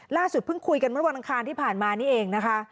เพิ่งคุยกันเมื่อวันอังคารที่ผ่านมานี่เองนะคะ